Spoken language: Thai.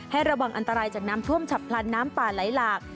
ระวังอันตรายจากน้ำท่วมฉับพลันน้ำป่าไหลหลาก